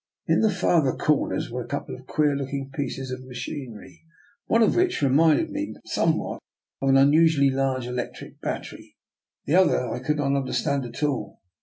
In the farther corners were a couple of queer looking pieces of machinery, one of which reminded me somewhat of an unusually large electric bat tery; the other I could not understand at all.